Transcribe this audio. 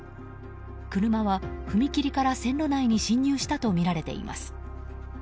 車は踏切から線路内に進入したとみられています。